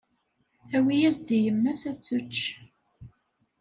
Awi-yas-d i yemma-s ad tečč.